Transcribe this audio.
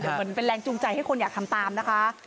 เหมือนเป็นแรงจูงใจให้คนอยากทำตามนะคะ